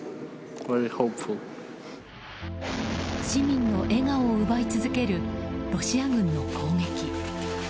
市民の笑顔を奪い続けるロシア軍の攻撃。